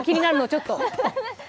ちょっと。